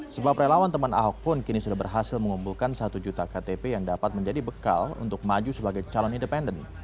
sebab relawan teman ahok pun kini sudah berhasil mengumpulkan satu juta ktp yang dapat menjadi bekal untuk maju sebagai calon independen